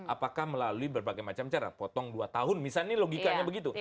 apakah melalui berbagai macam cara potong dua tahun misalnya logikanya begitu